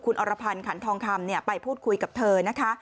คุณอรพันธ์ขันทองคำไปพูดคุยกับเธอนะคะ